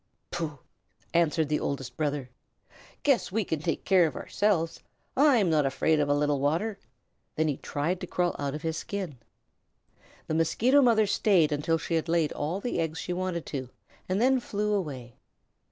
"Pooh!" answered the Oldest Brother. "Guess we can take care of ourselves. I'm not afraid of a little water." Then he tried to crawl out of his old skin. The Mosquito Mother stayed until she had laid all the eggs she wanted to, and then flew away.